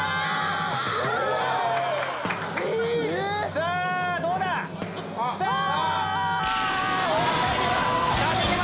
さぁどうだ⁉さぁ！